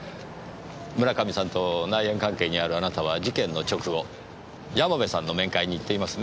村上さんと内縁関係にあるあなたは事件の直後山部さんの面会に行っていますね。